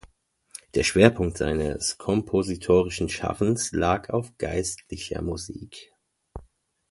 Der Schwerpunkt seines kompositorischen Schaffens lag auf geistlicher Musik.